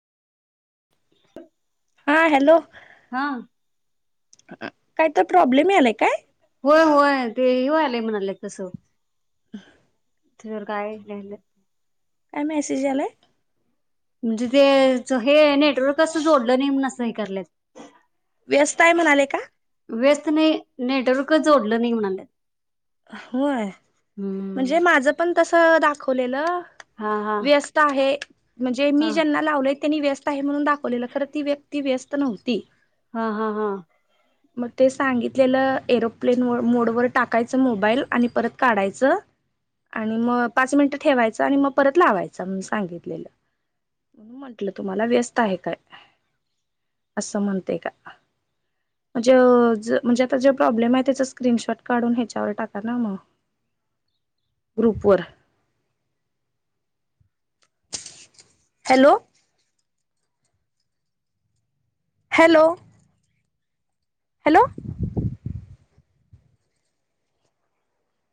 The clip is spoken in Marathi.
हा हॅलो, हा काय तर प्रॉब्लेम यालाय काय? होय होय, ते हे होयलय म्हणाले तसं [unintelligible] जर कायलं काय मेसेज आलाय म्हणजे ते हे नेटवर्क असं जोडलं नाही म्ह असं हे कराल्यात व्यस्तय म्हणाले का व्यस्त नाही नेटवर्क जोडलं नाही म्हणाले होय म्हणजे माझं पण तस दाखवलेलं हा हा व्यस्त आहे म्हणजे मी हा ज्यांना लावले त्यांनी व्यस्त आहे म्हणून दाखवलेलं खर ती व्यक्ती व्यस्त नव्हती हा हा हा मग ते सांगितलेलं एरोप्लेन मोडवर टाकायचं मोबाईल आणि परत काढायचं आणि मग पाच मिनिटं ठेवायचं आणि मग परत लावायच सांगितलेलं म्हणून म्हंटलं तुम्हाला व्यस्त आहे काय असं म्हणतेय का म्हणजे म्हणजे आता जर प्रॉब्लेम आहे त्या स्क्रीनशॉट काढून टाका ना मग गुप वर हॅलो हॅलो हॅलो